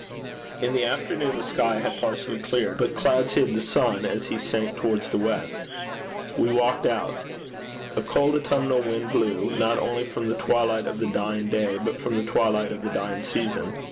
In the afternoon the sky had partially cleared, but clouds hid the sun as he sank towards the west. We walked out. A cold autumnal wind blew, not only from the twilight of the dying day, but from the twilight of the dying season.